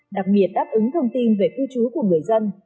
đặc biệt đáp ứng thông tin về cư trú của người dân